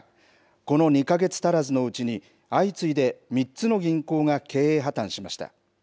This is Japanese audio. この２か月足らずのうちに相次いで３つの銀行が経営破綻しました。